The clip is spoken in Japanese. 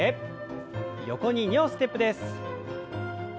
横に２歩ステップです。